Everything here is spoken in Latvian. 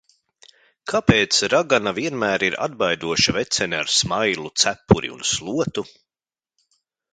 Kāpēc ragana vienmēr ir atbaidoša vecene ar smailu cepuri un slotu?